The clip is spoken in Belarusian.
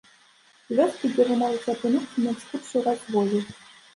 З вёскі, дзе вы можаце апынуцца, на экскурсію вас звозяць.